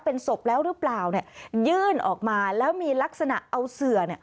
เป็นศพแล้วหรือเปล่ายื่นออกมาแล้วมีลักษณะเอาเสือ